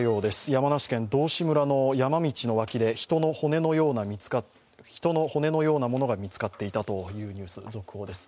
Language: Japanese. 山梨県道志村の山道の脇で人の骨のようなものが見つかっていたというニュースの続報です。